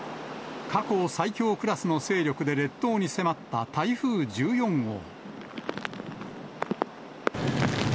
過去最強クラスの勢力で列島に迫った台風１４号。